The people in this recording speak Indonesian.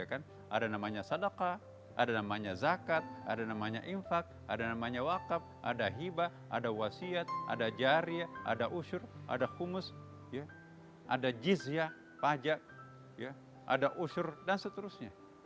ada namanya sadakah ada namanya zakat ada namanya infak ada namanya wakaf ada hibah ada wasiat ada jariah ada usur ada humus ada jizya pajak ada usur dan seterusnya